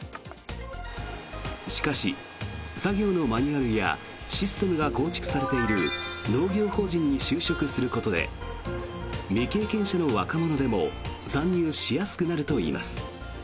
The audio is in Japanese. しかし、作業のマニュアルやシステムが構築されている農業法人に就職することで未経験者の若者でも参入しやすくなるといいます。